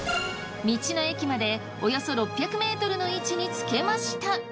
道の駅までおよそ６００ｍの位置に着けました。